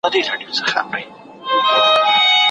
سردارعلی ټکر